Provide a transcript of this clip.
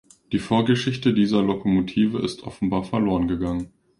Die Vorgeschichte dieser Lokomotive ist offenbar verloren gegangen.